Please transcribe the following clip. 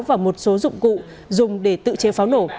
và một số dụng cụ dùng để tự chế pháo nổ